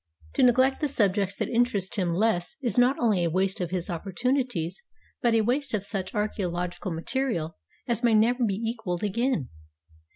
To neglect the subjects that interest him less is not only a waste of his opportunities, but a waste of such archceological material as may never be equaled again.